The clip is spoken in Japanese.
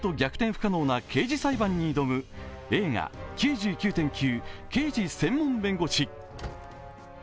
不可能な刑事裁判に挑む映画「９９．９−刑事専門弁護士−」。